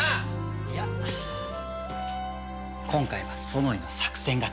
いや今回はソノイの作戦勝ちだ。